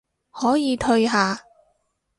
可以退下